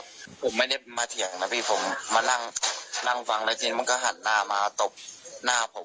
ผมไม่ได้มาเถียงนะพี่ผมมานั่งนั่งฟังแล้วทีนี้มันก็หันหน้ามาตบหน้าผม